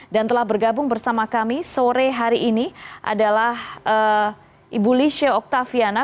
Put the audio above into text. dan telah bergabung bersama kami sore hari ini adalah ibu lisha oktaviana